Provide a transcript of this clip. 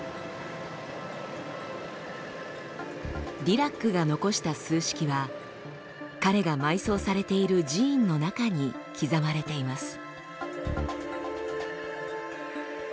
ディラックが残した数式は彼が埋葬されている寺院の中に刻まれています。